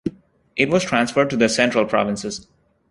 It was transferred to the Central Provinces.